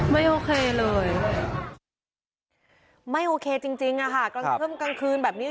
ไม่โอเคเลยไม่โอเคจริงจริงอะค่ะกลางค่ำกลางคืนแบบนี้